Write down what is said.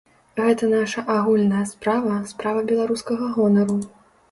Гэта наша агульная справа, справа беларускага гонару.